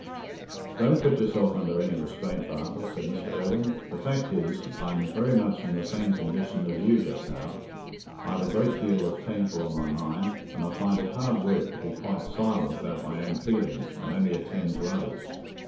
"Don't put yourself under any restraint, Bartle," said Mr. Irwine. "The fact is, I'm very much in the same condition as you just now; I've a great deal that's painful on my mind, and I find it hard work to be quite silent about my own feelings and only attend to others.